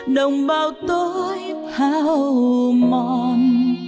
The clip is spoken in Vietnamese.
đồng bào tôi hào mòn